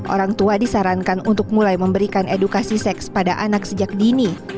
orang tua disarankan untuk mulai memberikan edukasi seks pada anak sejak dini